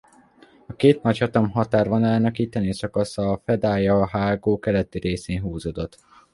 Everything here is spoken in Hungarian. A két nagyhatalom határvonalának itteni szakasza a Fedaia-hágó keleti részén húzódott.